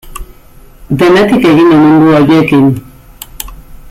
Denetik egin omen du horiekin.